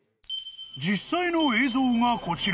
［実際の映像がこちら］